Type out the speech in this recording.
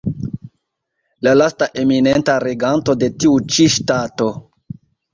La lasta eminenta reganto de tiu ĉi ŝtato.